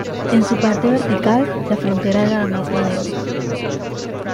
En su parte vertical, la frontera era la misma de hoy.